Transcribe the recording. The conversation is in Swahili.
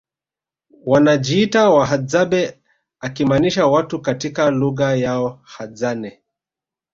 wanajiita Wahadzabe akimaanisha watu katika lugha yao Hadzane